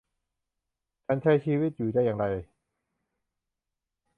ฉันใช้ชีวิตอยู่ได้อย่างไร